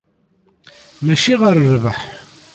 Mačči ɣer rrbeḥ.